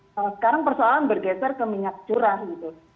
kalau sekarang persoalan bergeser ke minyak curah gitu